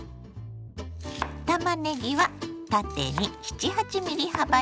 たまねぎは縦に７８ｍｍ幅に切ります。